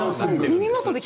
耳元で。